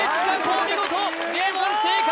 お見事「檸檬」正解！